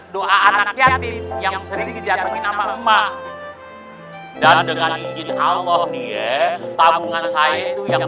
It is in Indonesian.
doa anak yatim yang sering didatangi nama emak emak dan dengan izin allah tabungan saya itu yang